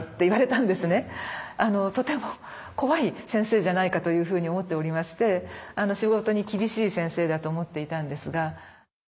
とても怖い先生じゃないかというふうに思っておりまして仕事に厳しい先生だと思っていたんですが。